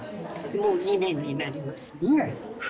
もう２年になりますね。